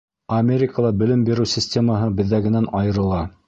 Америкала белем биреү системаһы беҙҙәгенән айырыла.